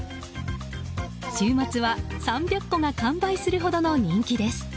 週末は３００個が完売するほどの人気です。